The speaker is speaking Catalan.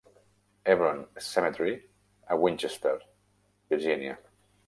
Hebron Cemetery a Winchester, Virginia.